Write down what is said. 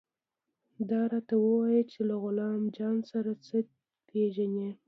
دا راته ووايه چې له غلام جان سره څه پېژنې.